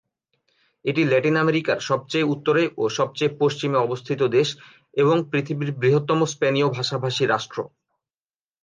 এটি ল্যাটিন আমেরিকার সবচেয়ে উত্তরে ও সবচেয়ে পশ্চিমে অবস্থিত দেশ, এবং পৃথিবীর বৃহত্তম স্পেনীয় ভাষাভাষী রাষ্ট্র।